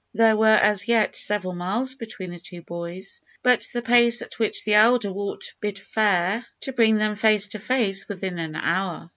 There were as yet several miles between the two boys, but the pace at which the elder walked bid fair to bring them face to face within an hour.